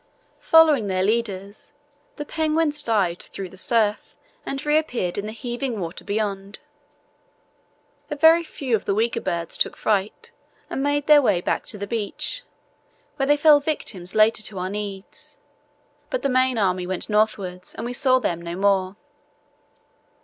Following their leaders, the penguins dived through the surf and reappeared in the heaving water beyond. A very few of the weaker birds took fright and made their way back to the beach, where they fell victims later to our needs; but the main army went northwards and we saw them no more.